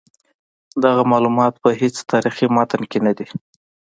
دغه معلومات په هیڅ تاریخي متن کې نه دي.